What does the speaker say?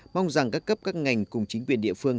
mong rằng các cấp các ngành cùng chính quyền địa phương